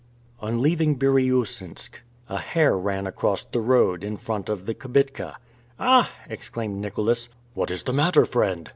On leaving Biriousinsk, a hare ran across the road, in front of the kibitka. "Ah!" exclaimed Nicholas. "What is the matter, friend?"